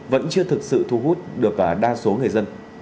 vẫn chưa thực sự thu hút được đa số người dân